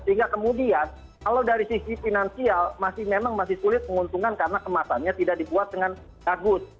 sehingga kemudian kalau dari sisi finansial memang masih sulit menguntungkan karena kemasannya tidak dibuat dengan bagus